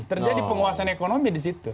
terjadi penguasaan ekonomi di situ